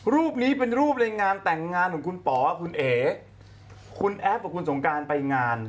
รูปนี้เป็นรูปในงานแต่งงานของคุณป๋อคุณเอ๋คุณแอฟกับคุณสงการไปงาน